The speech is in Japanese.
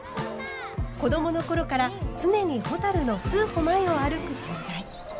子どもの頃から常にほたるの数歩前を歩く存在。